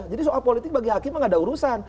jadi soal politik bagi hakim nggak ada urusan